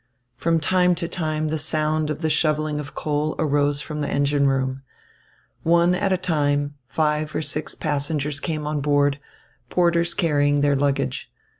From time to time the sound of the shovelling of coal arose from the engine room. One at a time five or six passengers came on board, porters carrying their luggage.